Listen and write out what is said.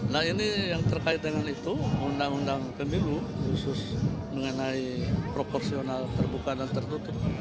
nah ini yang terkait dengan itu undang undang pemilu khusus mengenai proporsional terbuka dan tertutup